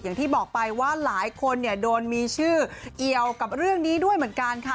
อย่างที่บอกไปว่าหลายคนเนี่ยโดนมีชื่อเกี่ยวกับเรื่องนี้ด้วยเหมือนกันค่ะ